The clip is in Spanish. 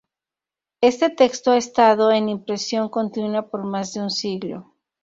Este texto ha estado en impresión continua por más de un siglo.